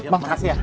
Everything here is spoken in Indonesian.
bang makasih ya